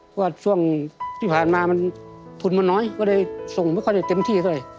เพราะว่าช่วงที่ผ่านมามันทุนมันน้อยก็เลยส่งไม่ค่อยได้เต็มที่เท่าไหร่